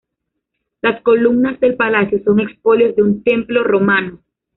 Las columnas del palacio son expolios de un templo romano.